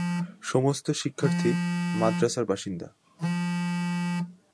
সমস্ত শিক্ষার্থী মাদ্রাসার বাসিন্দা।